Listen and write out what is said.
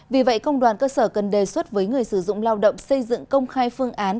vì vậy công đoàn cơ sở cần đề xuất với người sử dụng lao động xây dựng công khai phương án